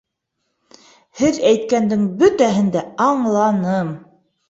Һеҙ әйткәндең бөтәһен дә аңланым.